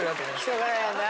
人柄やな。